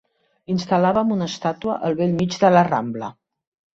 Instal·làvem una estàtua al bell mig de la Rambla.